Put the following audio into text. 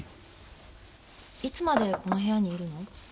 いつまでこの部屋にいるの？